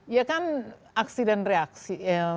ya kan aksi dan reaksi